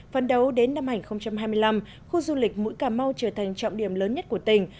phần đầu đến năm hai nghìn hai mươi năm khu du lịch mũi cà mau trở thành trọng điểm lớn nhất của tỉnh